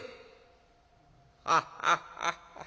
「ハッハハハ。